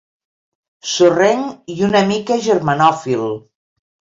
Sorrenc i una mica germanòfil.